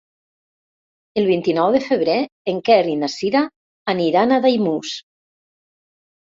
El vint-i-nou de febrer en Quer i na Sira aniran a Daimús.